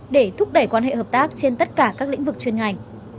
để thúc đẩy quan hệ hợp tác trên tất cả các lĩnh vực chuyên ngành